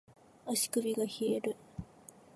足首が冷える